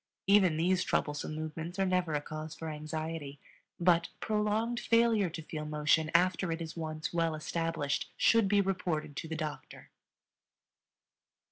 Even these troublesome movements are never a cause for anxiety; but prolonged failure to feel motion after it is once well established should be reported to the doctor.